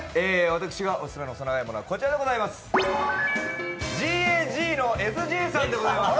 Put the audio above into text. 私がオススメの細長いものはこちらでございます。